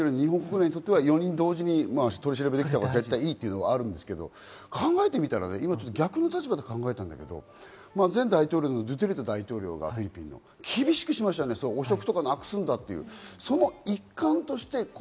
日本国内にとっては４人同時に取り調べたほうがいいというのはありますが、考えてみたら逆の立場で考えたんだけど、前大統領のドゥテルテ大統領が厳しくしましたよね、汚職とかをなくすんだと。